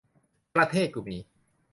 ประเทศกูมี